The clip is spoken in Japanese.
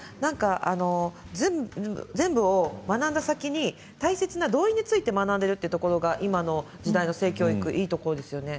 全部を学んだ先に大切な同意について学んでいるということが今の時代の性教育のいいところですよね。